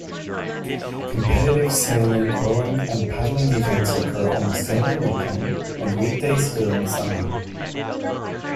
Competitive sailing, rowing, and paddling events occur almost every weekend, and weekdays during summer.